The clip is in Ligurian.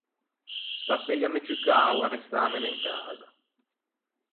Staseia m’é ciù cao arrestâmene in casa.